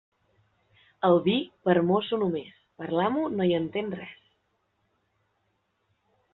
El vi, per mosso només; per l'amo, no hi entén res.